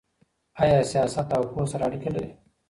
ايا سياست او پوهه سره اړيکه لري؟